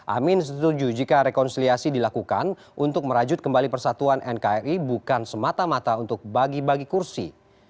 amin setuju jika rekonsiliasi dilakukan untuk merajut kembali persatuan nkri bukan semata mata untuk bagi bagi kursi